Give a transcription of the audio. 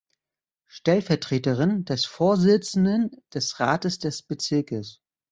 Stellvertreterin des Vorsitzenden des Rates des Bezirkes.